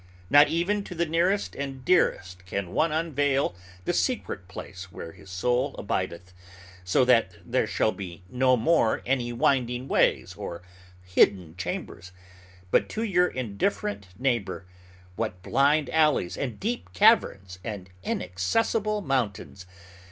Not even to the nearest and dearest can one unveil the secret place where his soul abideth, so that there shall be no more any winding ways or hidden chambers; but to your indifferent neighbor, what blind alleys, and deep caverns, and inaccessible mountains!